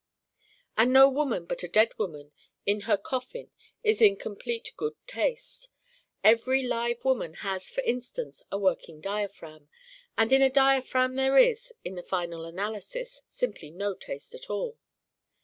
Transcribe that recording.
And no woman but a dead woman in her coffin is in complete Good Taste. Every live woman has for instance a working diaphragm: and in a diaphragm there is, in the final analysis, simply no taste at all.